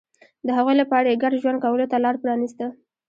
د هغوی لپاره یې ګډ ژوند کولو ته لار پرانېسته